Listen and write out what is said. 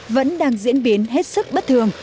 vẫn đang diễn biến hết sức bất thường